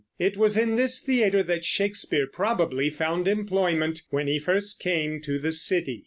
It was in this theater that Shakespeare probably found employment when he first came to the city.